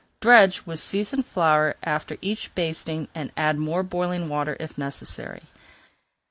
Dredge with seasoned flour after each basting, and add more boiling water if necessary.